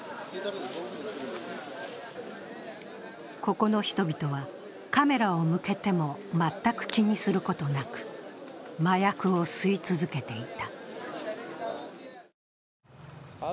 ここの人々は、カメラを向けても全く気にすることなく、麻薬を吸い続けていた。